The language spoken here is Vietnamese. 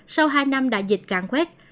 sau hai năm đại dịch càng khuét